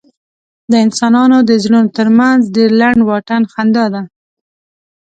د انسانانو د زړونو تر منځ ډېر لنډ واټن خندا ده.